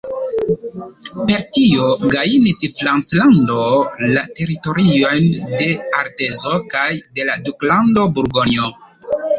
Per tio gajnis Franclando la teritoriojn de Artezo kaj de la Duklando Burgonjo.